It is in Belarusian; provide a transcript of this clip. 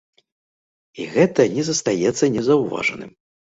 І гэта не застаецца незаўважаным.